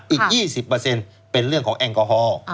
อีก๒๐เป็นเรื่องของแอลกอฮอล์